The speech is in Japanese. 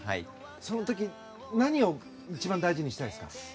その時何を一番大事にしたいですか。